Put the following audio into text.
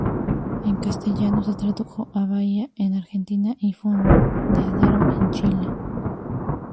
En castellano se tradujo a bahía en Argentina y fondeadero en Chile.